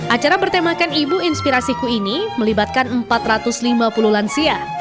acara bertemakan ibu inspirasiku ini melibatkan empat ratus lima puluh lansia